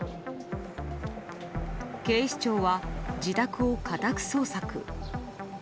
警視庁は自宅を家宅捜索。